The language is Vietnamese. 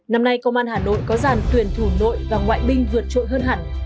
năm nay công an hà nội có dàn tuyển thủ nội và ngoại binh vượt trội hơn hẳn